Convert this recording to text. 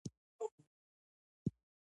پخپله د متن د دې لوست بېلابېلې زاويې دي.